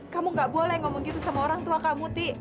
kamu gak boleh ngomong gitu sama orang tua kamu ti